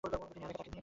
তিনি আর একা থাকেননি।